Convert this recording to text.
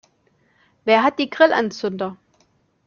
Wer hat die Grillanzünder?